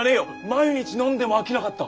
毎日飲んでも飽きなかった！